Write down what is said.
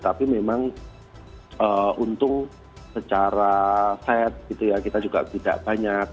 tapi memang untung secara set gitu ya kita juga tidak banyak